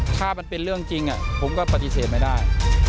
ถ้ามันเป็นเรื่องจริงผมก็ปฏิเสธไม่ได้